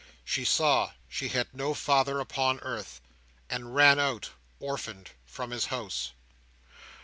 She saw she had no father upon earth, and ran out, orphaned, from his house.